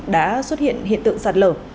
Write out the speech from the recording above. đã xuất hiện hiện tượng sạt lở